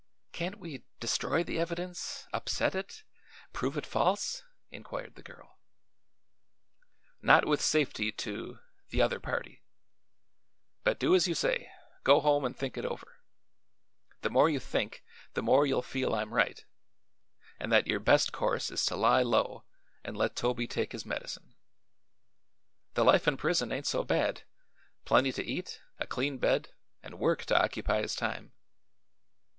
"Can't we destroy the evidence upset it prove it false?" inquired the girl. "Not with safety to the other party. But do as you say; go home an' think it over. The more you think the more you'll feel I'm right, an' that your best course is to lie low an' let Toby take his medicine. The life in prison ain't so bad; plenty to eat, a clean bed and work to occupy his time."